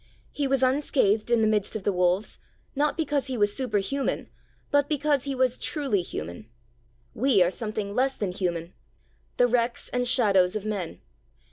He was unscathed in the midst of the wolves, not because He was superhuman, but because He was truly human. We are something less than human, the wrecks and shadows of men.